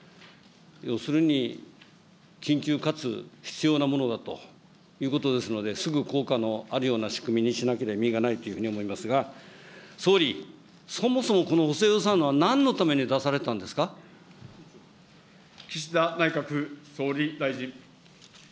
要するに緊急かつ必要なものだということですので、すぐ効果のあるような仕組みにしなければ意味がないというふうに思いますが、総理、そもそもこの補正予算はなんのために出された岸田内閣総理大臣。